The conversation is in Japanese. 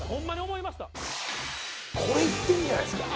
これいっていいんじゃないですか？